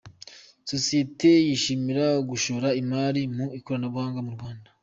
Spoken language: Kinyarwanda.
Sosiyete yishimira gushora imari mu ikoranabuhanga mu Rwanda